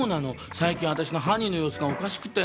最近私のハニーの様子がおかしくて。